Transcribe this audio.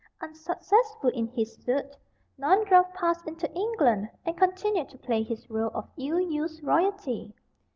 Unsuccessful in his suit, Naundorff passed into England, and continued to play his rôle of ill used royalty.